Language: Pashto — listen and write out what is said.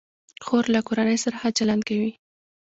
خور له کورنۍ سره ښه چلند کوي.